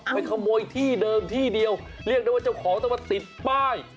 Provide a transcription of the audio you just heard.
ไปขโมยที่เดิมที่เดียวเรียกได้ว่าเจ้าของต้องมาติดป้าย